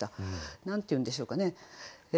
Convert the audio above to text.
何て言うんでしょうかね